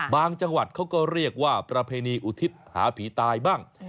จังหวัดเขาก็เรียกว่าประเพณีอุทิศหาผีตายบ้าง